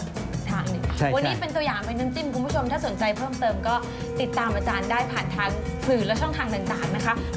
อีกทางหนึ่งวันนี้เป็นตัวอย่างเป็นน้ำจิ้มคุณผู้ชมถ้าสนใจเพิ่มเติมก็ติดตามอาจารย์ได้ผ่านทางสื่อและช่องทางต่างนะคะ